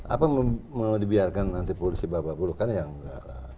apa mau dibiarkan nanti polisi babak buruk kan ya nggak